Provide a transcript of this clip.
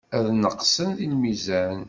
Ad neqsen deg lmizan.